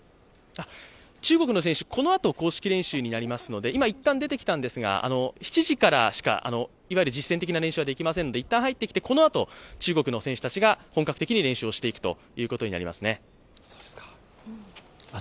中国の選手、このあと公式練習になりますので、今いったんでてきたんですが７時からいわゆる実戦的な練習はできませんので一旦入ってきて、このあと中国の選手たちが本格的に練習することになります。